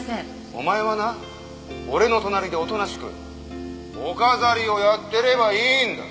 お前はな俺の隣でおとなしくお飾りをやってればいいんだ。